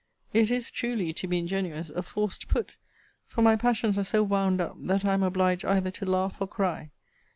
It is truly, to be ingenuous, a forced put: for my passions are so wound up, that I am obliged either to laugh or cry.